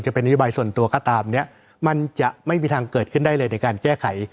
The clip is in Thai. จะเป็นนโยบายส่วนตัวก็ตามเนี่ยมันจะไม่มีทางเกิดขึ้นได้เลยในการแก้ไข